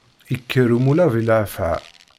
Ikker umulab i llafεa.